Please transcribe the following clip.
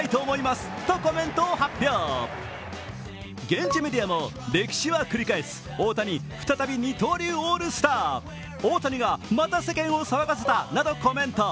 現地メディアも、歴史は繰り返す大谷再び二刀流オールスター、大谷がまた世間を騒がせたなどコメント。